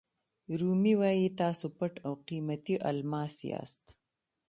رومي وایي تاسو پټ او قیمتي الماس یاست.